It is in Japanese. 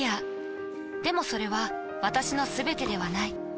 でもそれは私のすべてではない。